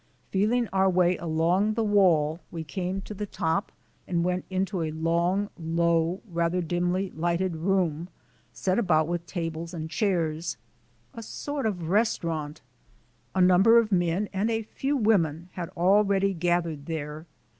Feeling our way along the wall, we came to the top and went into a long, low, rather dimly lighted room set about with tables and chairs a sort of restaurant. A number of men and a few women had already gathered there.